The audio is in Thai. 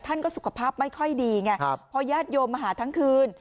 ท่านก็สุขภาพไม่ค่อยดีไงพอญาติโยมมาหาทั้งคืน